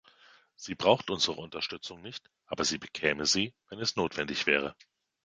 Sie braucht unsere Unterstützung nicht, aber sie bekäme sie, wenn es notwendig wäre.